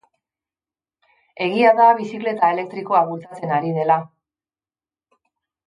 Egia da, bizikleta elektrikoa bultzatzen ari dela.